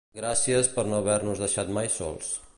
Gràcies per no haver-nos deixat mai sols.